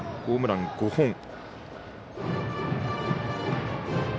ホームラン５本。